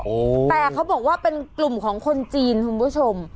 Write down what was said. โอ้โหแต่เขาบอกว่าเป็นกลุ่มของคนจีนคุณผู้ชม